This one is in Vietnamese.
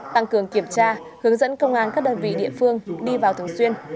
tăng cường kiểm tra hướng dẫn công an các đơn vị địa phương đi vào thường xuyên